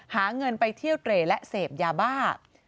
หาเงินไปเที่ยวเตรและเสพยาบ้า